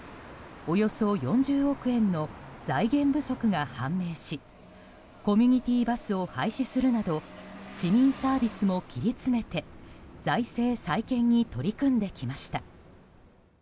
およそ４０億円の財源不足が判明しコミュニティーバスを廃止するなど市民サービスも切り詰めて財政再建に取り組んできました。